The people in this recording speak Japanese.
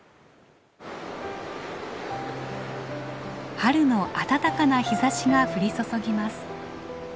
春の暖かな日ざしが降り注ぎます。